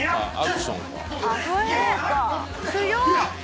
強っ！」